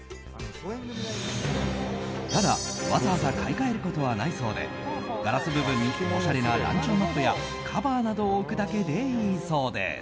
ただ、わざわざ買い替えることはないそうでガラス部分におしゃれなランチョンマットやカバーなどを置くだけでいいそうです。